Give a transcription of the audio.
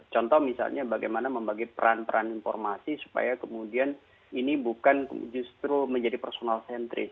contoh misalnya bagaimana membagi peran peran informasi supaya kemudian ini bukan justru menjadi personal centris